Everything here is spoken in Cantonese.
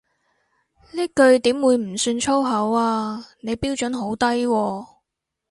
呢句點會唔算粗口啊，你標準好低喎